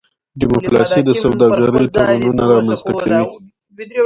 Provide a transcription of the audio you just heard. ډيپلوماسي د سوداګرۍ تړونونه رامنځته کوي.